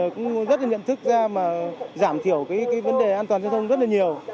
cũng rất là nhận thức ra mà giảm thiểu cái vấn đề an toàn giao thông rất là nhiều